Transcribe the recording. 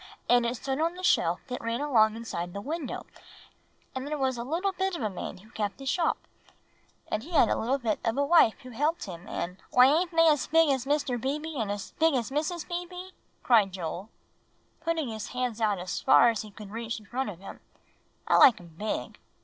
and it stood on the shelf that ran along inside the window; and there was a little bit of a man who kept the shop, and he had a little bit of a wife who helped him, and" "Why ain't they big as Mr. Beebe, and big as Mrs. Beebe?" cried Joel, putting his hands out as far as he could reach in front of him; "I like 'em big.